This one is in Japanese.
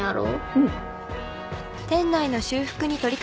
うん。